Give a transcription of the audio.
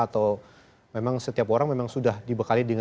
atau memang setiap orang memang sudah dibekali di sini